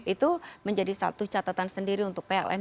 itu menjadi satu catatan sendiri untuk pln